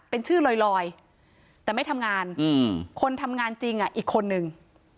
เป็นชื่อลอยแต่ไม่ทำงานคนทำงานจริงอีกคนนึง